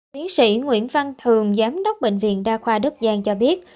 tiến sĩ nguyễn văn thường giám đốc bệnh viện đa khoa đức giang cho biết